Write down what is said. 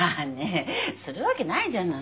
するわけないじゃない。